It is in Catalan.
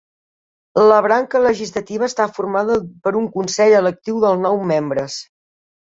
La branca legislativa està formada per un consell electe de nou membres.